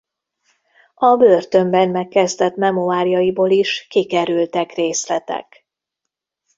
A börtönben megkezdett memoárjaiból is kikerültek részletek.